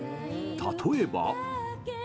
例えば。